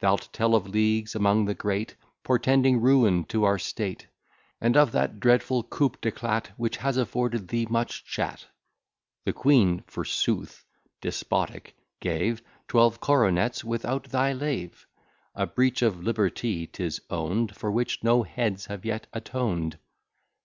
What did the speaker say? Thou'lt tell of leagues among the great, Portending ruin to our state: And of that dreadful coup d'éclat, Which has afforded thee much chat. The queen, forsooth! (despotic,) gave Twelve coronets without thy leave! A breach of liberty, 'tis own'd, For which no heads have yet atoned!